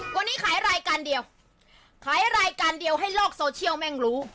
วันนี้ขายรายการเดียวขายรายการเดียวให้โลกโซเชียลแม่งรู้